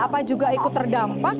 apa juga ikut terdampak